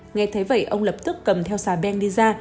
nghe thấy vậy ông lập tức cầm theo xà beng đi ra